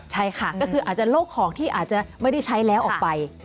ใช่ค่ะก็คืออาจจะโลกของที่อาจจะไม่ได้ใช้แล้วออกไป